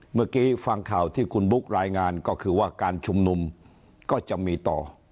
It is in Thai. เมื่อกี้ฟังข่าวที่คุณบุ๊ครายงานก็คือว่าการชุมนุมก็จะมีต่อ